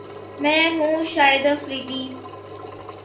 میں ہوں شاہد افریدی